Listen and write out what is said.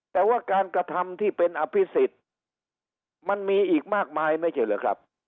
แต่ว่าการกระทำที่เป็นอภิษฎมันมีอีกมากมายไม่ใช่เหรอครับ